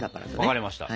分かりました。